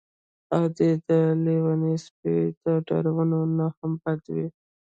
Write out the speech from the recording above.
عادت د لیوني سپي د داړلو نه هم بد دی.